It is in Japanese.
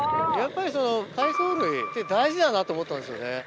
やっぱり海藻類って大事だなと思ったんですよね。